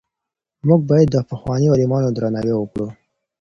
موږ باید د پخوانیو عالمانو درناوی وکړو.